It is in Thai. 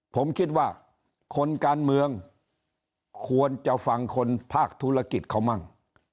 ผมคิดว่าคนการเมืองควรจะฟังคนภาคธุรกิจเขามั่ง